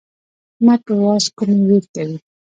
احمد په واز کومې وير کوي.